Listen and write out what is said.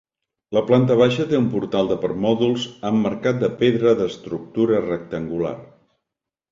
La planta baixa té un portal de permòdols emmarcat de pedra d'estructura rectangular.